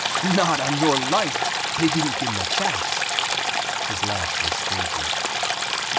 "Not on your life! They didn't give him a chance!" His laugh was stagey.